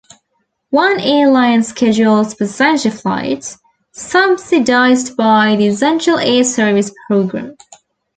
One airline schedules passenger flights, subsidized by the Essential Air Service program.